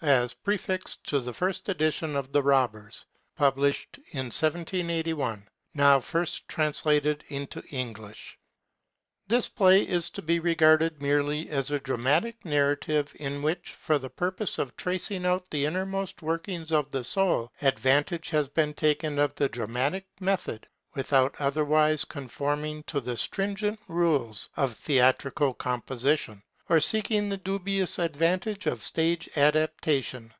AS PREFIXED TO THE FIRST EDITION OF THE ROBBERS PUBLISHED IN 1781. Now first translated into English. This play is to be regarded merely as a dramatic narrative in which, for the purpose of tracing out the innermost workings of the soul, advantage has been taken of the dramatic method, without otherwise conforming to the stringent rules of theatrical composition, or seeking the dubious advantage of stage adaptation.